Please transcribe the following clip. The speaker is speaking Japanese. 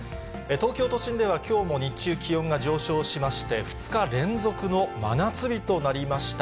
東京都心では、きょうも日中、気温が上昇しまして、２日連続の真夏日となりました。